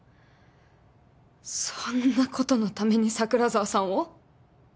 そんなことのために桜沢さんを？